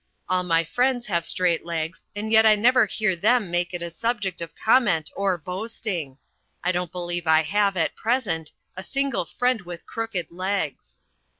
All my friends have straight legs and yet I never hear them make it a subject of comment or boasting. I don't believe I have, at present, a single friend with crooked legs.